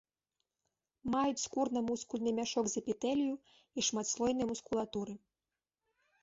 Маюць скурна-мускульны мяшок з эпітэлію і шматслойнай мускулатуры.